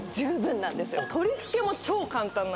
取り付けも超簡単なんです。